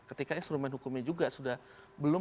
ketika instrumen hukumnya juga sudah belum